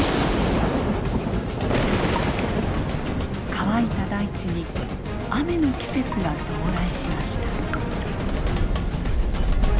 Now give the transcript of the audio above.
乾いた大地に雨の季節が到来しました。